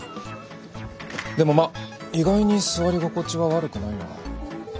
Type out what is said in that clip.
でもまあ意外に座り心地は悪くないな。